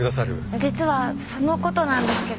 実はその事なんですけど。